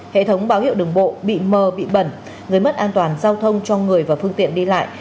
hệ thống báo hiệu đường bộ bị mờ bị bẩn gây mất an toàn giao thông cho người và phương tiện đi lại